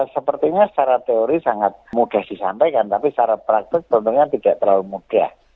sepertinya secara teori sangat mudah disampaikan tapi secara praktik tentunya tidak terlalu mudah